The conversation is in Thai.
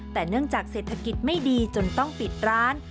แต่เนื่องจากเศรษฐกิจไม่ดีจนต้องปิดร้าน